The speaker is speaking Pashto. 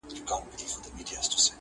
خلاصوي سړی له دین او له ایمانه.